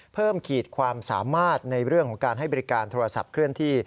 ขีดความสามารถในเรื่องของการให้บริการโทรศัพท์เคลื่อนที่